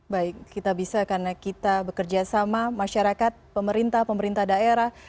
baik kita bisa karena kita bekerja sama masyarakat pemerintah pemerintah daerah